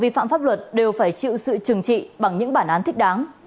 phạm pháp luật đều phải chịu sự trừng trị bằng những bản án thích đáng